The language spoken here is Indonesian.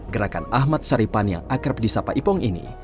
gerakan ahmad saripan yang akrab di sapaipong ini